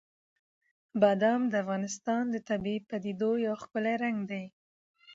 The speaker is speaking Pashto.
بادام د افغانستان د طبیعي پدیدو یو ښکلی رنګ دی.